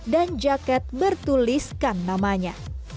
dan jaket bertuliskan namanya